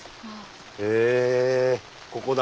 へえここだ。